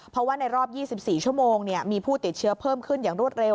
เพราะว่าในรอบ๒๔ชั่วโมงมีผู้ติดเชื้อเพิ่มขึ้นอย่างรวดเร็